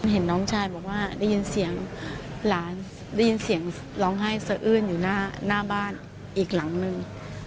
เห็นน้องชายบอกว่าได้ยินเสียงหลานได้ยินเสียงร้องไห้สะอื้นอยู่หน้าบ้านอีกหลังนึง